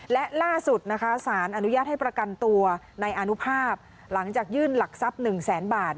และล่าสุดนะคะสารอนุญาตให้ประกันตัวในอนุภาพหลังจากยื่นหลักทรัพย์๑แสนบาท